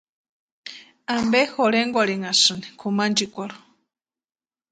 ¿Ampe jorhenkwarhinhasïni kʼumanchikwarhu?